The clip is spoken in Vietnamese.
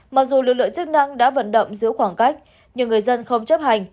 mặc dù lực lượng chức năng đã vận động giữ khoảng cách nhưng người dân không chấp hành